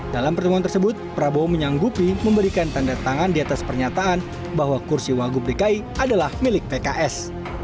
dalam pertemuan tersebut prabowo menyanggupi memberikan tanda tangan di atas pernyataan bahwa kursi wagub dki adalah milik pks